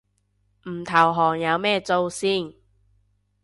唔投降有咩做先